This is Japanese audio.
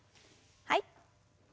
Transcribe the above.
はい。